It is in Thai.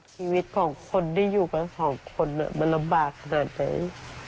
ชีวิตของคนที่อยู่กันสองคนมันลำบากขนาดไหน